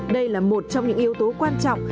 đây là một trong những yếu tố quan trọng